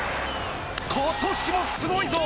今年もすごいぞ！